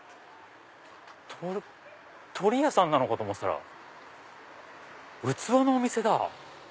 鳥屋さんなのかと思ってたら器のお店だ。